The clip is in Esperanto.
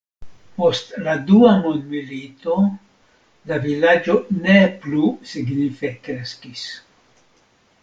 Post la Dua mondmilito la vilaĝo ne plu signife kreskis.